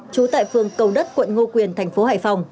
trú tại phường cầu đất quận ngô quyền thành phố hải phòng